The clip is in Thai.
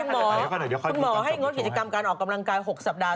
คุณหมอคุณหมอให้งดกิจกรรมการออกกำลังกาย๖สัปดาห